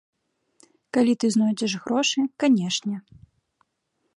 Калі ты знойдзеш грошы, канешне!